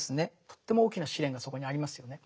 とっても大きな試練がそこにありますよね。